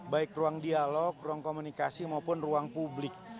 baik ruang dialog ruang komunikasi maupun ruang publik